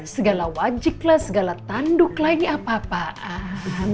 segala wajiklah segala tanduklah ini apa apaan